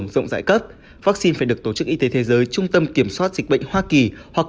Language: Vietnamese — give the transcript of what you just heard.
và giải cấp vắc xin phải được tổ chức y tế thế giới trung tâm kiểm soát dịch bệnh hoa kỳ hoặc